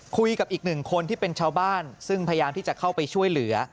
คุยกับอีกหนึ่งคนที่เป็นชาวบ้านซึ่งพยายามที่จะเข้าไปช่วยเหลือ